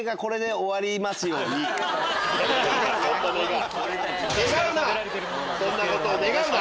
ピンポンそんなことを願うな！